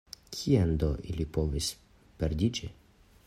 Kien do li povis perdiĝi?